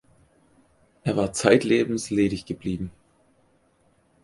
Er war zeitlebens ledig geblieben.